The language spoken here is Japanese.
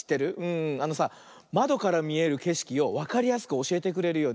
あのさまどからみえるけしきをわかりやすくおしえてくれるよね。